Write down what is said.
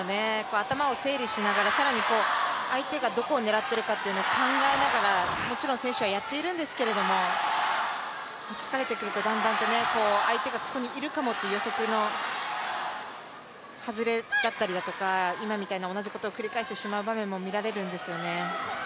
頭を整理しながら、更に相手がどこを狙っているかを考えながら、もちろん選手はやっているんですけれども、疲れてくるとだんだんと相手がここにいるかもという予測の外れだったりだとか今みたいな同じことを繰り返してしまう場面も見られるんですよね。